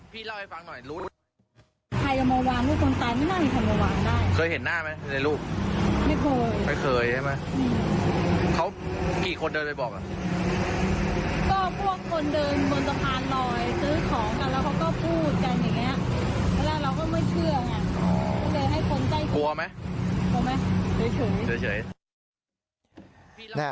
พี่เล่าให้ฟังหน่อย